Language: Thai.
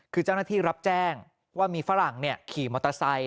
คือเจ้าหน้าที่รับแจ้งว่ามีฝรั่งขี่มอเตอร์ไซค